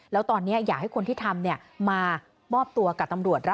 แล้วตอนนี้อยากให้คนที่ทำมามอบตัวกับตำรวจแล้ว